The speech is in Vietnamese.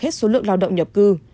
hết số lượng lao động nhập cư